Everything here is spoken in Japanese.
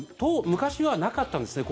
昔はなかったんですね